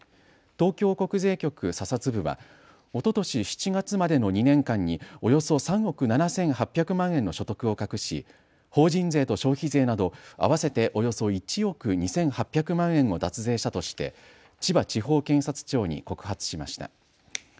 東京国税局査察部はおととし７月までの２年間におよそ３億７８００万円の所得を隠し、法人税と消費税など合わせておよそ１億２８００万円を脱税したとして千葉地方検察庁に告発しました。